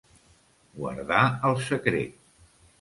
Guardar el secret.